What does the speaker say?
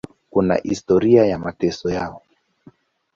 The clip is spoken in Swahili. Kuna historia ya mateso yao.